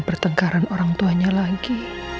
pertengkaran orang tuanya lagi